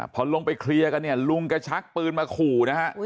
พอลงไปเคลียร์กันเนี่ยลุงแกชักปืนมาขู่นะฮะ